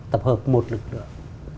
tập hợp một lực lượng